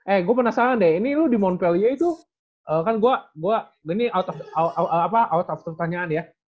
eh gue penasaran deh ini lu di montpellier itu kan gue gue ini out of out of out of pertanyaan ya